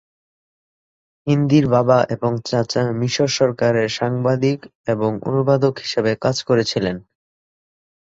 হিন্দির বাবা এবং চাচা মিশর সরকারের সাংবাদিক এবং অনুবাদক হিসাবে কাজ করেছিলেন।